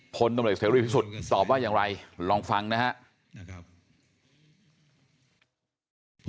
พลตำรวจเสรีพิสุทธิ์ตอบว่าอย่างไรลองฟังนะครับ